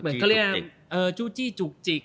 เหมือนเขาเรียกว่าจุจิจุกจิก